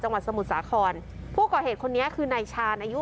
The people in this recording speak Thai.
จังหวัดสมุทรสาครผู้เก่าเหตุคนนี้คือในชานอายุ